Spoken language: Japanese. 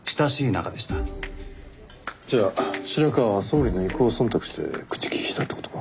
じゃあ白河は総理の意向を忖度して口利きしたって事か。